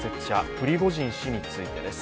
プリゴジン氏についてです。